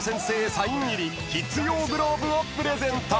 サイン入りキッズ用グローブをプレゼント］